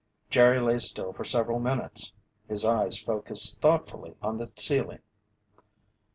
Jerry lay still for several minutes, his eyes focused thoughtfully on the ceiling.